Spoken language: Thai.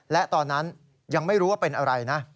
และตอนนั้นยังไม่รู้ว่าเป็นอะไรนะ